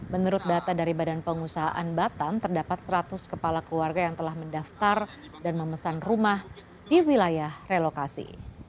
menurut data dari badan pengusahaan batam terdapat seratus kepala keluarga yang telah mendaftar dan memesan rumah di wilayah relokasi